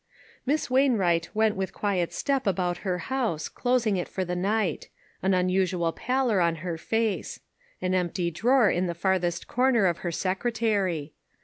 Miss Wainwright went with quiet step about her house, closing it for the night — an unusual pallor on her face ; an empty drawer in the farthest corner of her sec retary.